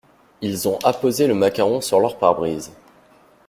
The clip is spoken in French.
Ils ont apposé le macaron sur leur pare-brise.